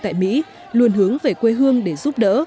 tại mỹ luôn hướng về quê hương để giúp đỡ